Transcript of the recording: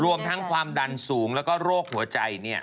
รวมทั้งความดันสูงแล้วก็โรคหัวใจ